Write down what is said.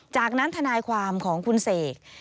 จากนั้นทนายความของคุณเสก